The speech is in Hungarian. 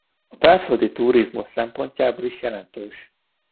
A belföldi turizmus szempontjából is jelentős.